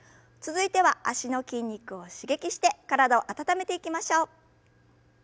続いては脚の筋肉を刺激して体を温めていきましょう。